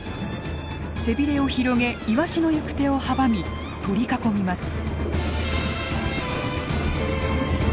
背びれを広げイワシの行く手を阻み取り囲みます。